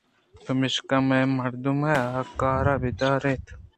پمشکا مئے مردم ءَ کار ءَ بہ دار اِت